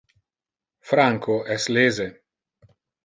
Franco es lese.